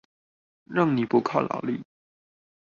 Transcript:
讓你不靠勞力